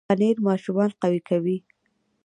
پنېر ماشومان قوي کوي.